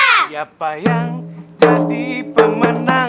siapa yang jadi pemenang